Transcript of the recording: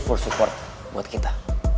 full support buat kita